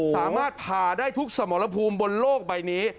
สามารถผ่าได้ทุกสมรภูมิบนโลกใบนี้